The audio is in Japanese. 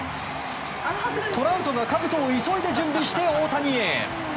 トラウトがかぶとを急いで準備して、大谷へ。